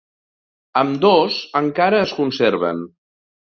Ambdós encara es conserven.